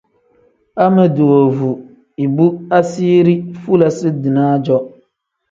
Amedi woovu ibu asiiri fulasi-dinaa-jo.